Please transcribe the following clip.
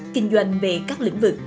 kinh doanh về các lĩnh vực